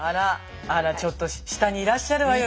あらちょっと下にいらっしゃるわよ